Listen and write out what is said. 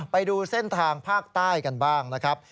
ไปดูเส้นทางภาคใต้กันบ้างนะครับ